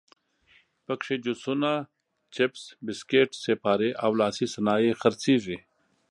په کې جوسونه، چپس، بسکیټ، سیپارې او لاسي صنایع خرڅېږي.